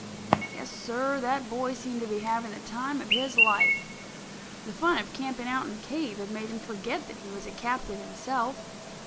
Yes, sir, that boy seemed to be having the time of his life. The fun of camping out in a cave had made him forget that he was a captive himself.